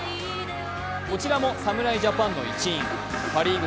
こちらも侍ジャパンの一員パ・リーグ